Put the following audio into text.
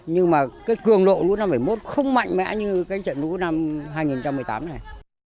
nhưng mà cái cường độ lũ năm bảy mươi một không mạnh mẽ như cái trận lũ năm hai nghìn một mươi tám này